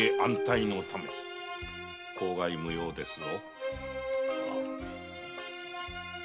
口外無用ですぞ。